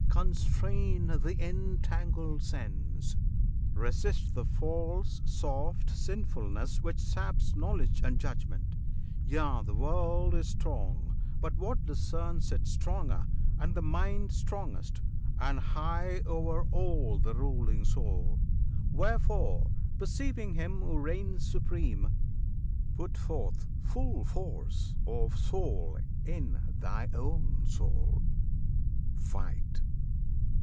Constrain th' entangled sense! Resist the false, soft sinfulness which saps Knowledge and judgment! Yea, the world is strong, But what discerns it stronger, and the mind Strongest; and high o'er all the ruling Soul. Wherefore, perceiving Him who reigns supreme, Put forth full force of Soul in thy own soul! Fight!